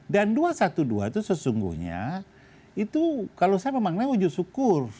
dan dua ratus dua belas itu sesungguhnya itu kalau saya memang nanya wujud syukur